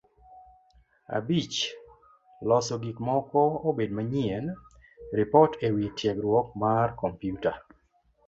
Abich; Loso gik moko obed manyien. Ripot e wi tiegruok mar kompyuta